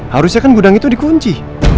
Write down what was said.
harusnya kan gudang itu di kunci